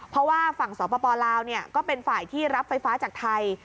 เพราะว่าฝั่งสปลาวก็เป็นฝ่ายที่รับไฟฟ้าจากไทย